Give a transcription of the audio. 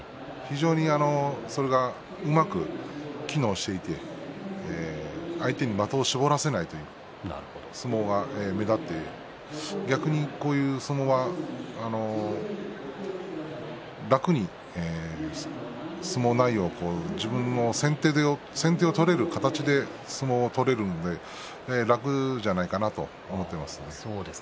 それが非常に機能していて相手に的を絞らせないそういう相撲が目立って逆に、こういう相撲は楽に相撲内容を自分の先手が取れる相撲になれるので楽じゃないかなと思っています。